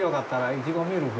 イチゴミルク？